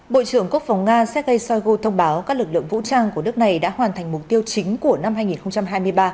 bộ trưởng quốc phòng nga sergei shoigu thông báo các lực lượng vũ trang của nước này đã hoàn thành mục tiêu chính của năm hai nghìn hai mươi ba